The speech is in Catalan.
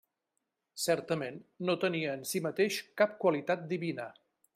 Certament no tenia en si mateix cap qualitat divina.